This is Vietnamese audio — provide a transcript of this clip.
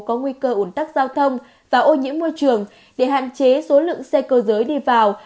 có nguy cơ ủn tắc giao thông và ô nhiễm môi trường để hạn chế số lượng xe cơ giới đi vào